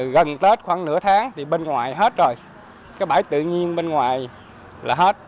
gần tết khoảng nửa tháng thì bên ngoài hết rồi cái bãi tự nhiên bên ngoài là hết